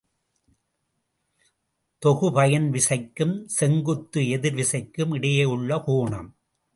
தொகுபயன் விசைக்கும் செங்குத்து எதிர் விசைக்கும் இடையே உள்ள கோணம்.